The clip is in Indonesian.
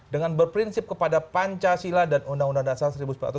dengan berprinsip kepada pancasila dan undang undang dasar seribu sembilan ratus empat puluh